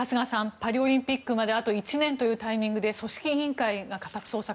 パリオリンピックまであと１年というタイミングで組織委員会が家宅捜索。